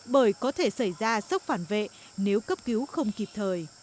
bởi có thể xảy ra sốc phản vệ nếu cấp cứu không kịp thời